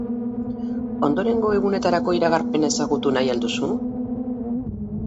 Ondorengo egunetarako iragarpena ezagutu nahi al duzu?